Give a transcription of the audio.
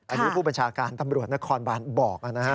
อันนี้ผู้บัญชาการตำรวจนครบานบอกนะฮะ